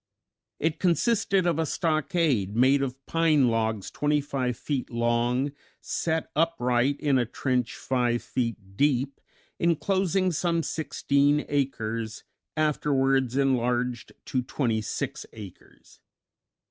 It consisted of a stockade made of pine logs twenty five feet long, set upright in a trench five feet deep, inclosing some sixteen acres, afterwards enlarged to twenty six acres.